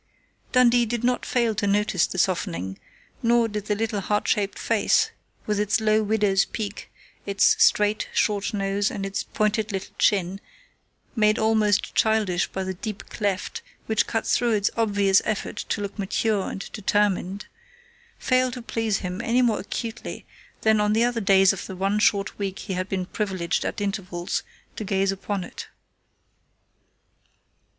Dundee did not fail to notice the softening, nor did the little heart shaped face, with its low widow's peak, its straight, short nose, and its pointed little chin, made almost childish by the deep cleft which cut through its obvious effort to look mature and determined, fail to please him any more acutely than on the other days of the one short week he had been privileged at intervals to gaze upon it.